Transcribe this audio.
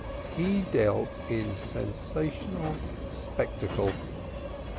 He dealt in sensational spectacle.